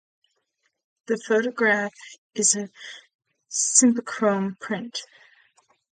The photograph is a Cibachrome print.